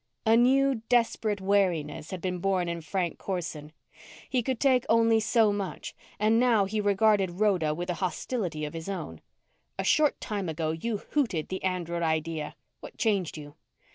A new, desperate wariness had been born in Frank Corson. He could take only so much and now he regarded Rhoda with a hostility of his own. "A short time ago you hooted the android idea. What changed you?"